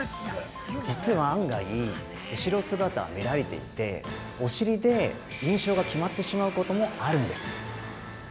実は案外、後ろ姿は見られていてお尻で、印象が決まってしまうこともあるんです。